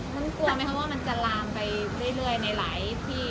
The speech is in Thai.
มันกลัวไหมคะว่ามันจะลามไปเรื่อยในหลายที่